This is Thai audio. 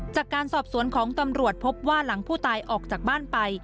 จากการสอบสวนของตำรวจพบว่าหลังผู้ตายออกจากบ้านไป